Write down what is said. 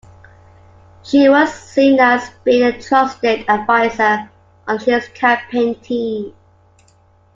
She was seen as being a trusted advisor on his campaign team.